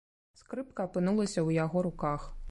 Скрыпка апынулася ў яго руках.